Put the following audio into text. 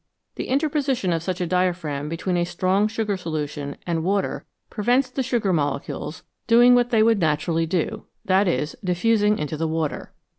The interposition of such a diaphragm between a strong sugar solution and water prevents the sugar molecules doing what they would 304 FACTS ABOUT SOLUTIONS naturally do that is, diffusing into the water.